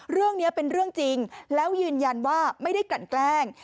เรื่องนี้เป็นเรื่องจริงแล้วยืนยันว่าไม่ได้กลั่นแกล้ง